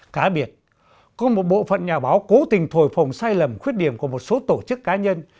cá biệt có một bộ phận nhà báo cố tình thồi phồng sai lầm khuyết điểm của một số tổ chức cá nhân